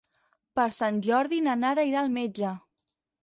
Per Sant Jordi na Nara irà al metge.